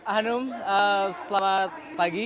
anum selamat pagi